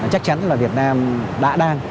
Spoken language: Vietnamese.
chắc chắn là việt nam đã đang